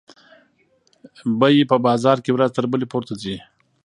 بیې په بازار کې ورځ تر بلې پورته ځي.